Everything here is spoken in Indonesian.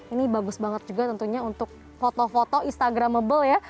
ini bagus banget juga tentunya untuk foto foto instagramable ya